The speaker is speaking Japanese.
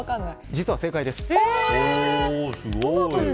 実は正解です。